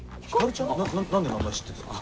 何で名前知ってるんすか？